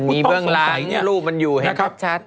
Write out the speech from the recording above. วันนี้เบื้องหลังรูปมันอยู่เห็นชัด